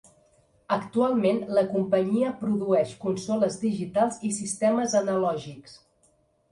Actualment, la companyia produeix consoles digitals i sistemes analògics.